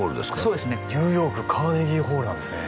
そうですねニューヨークカーネギーホールなんですね